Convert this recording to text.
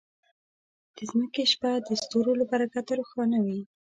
د ځمکې شپه د ستورو له برکته روښانه وي.